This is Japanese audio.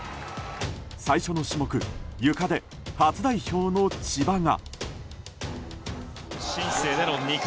最初の種目、ゆかで初代表の千葉が。